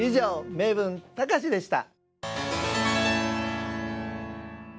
「名文たかし」でした。